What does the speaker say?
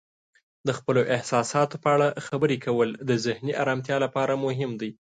د خپلو احساساتو په اړه خبرې کول د ذهني آرامتیا لپاره مهم دی.